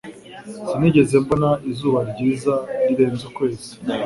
Sinigeze mbona izuba ryiza rirenze ukwezi.